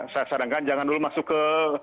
saya sarankan jangan dulu masuk ke